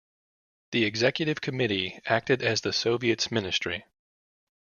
The Executive Committee acted as the Soviet's ministry.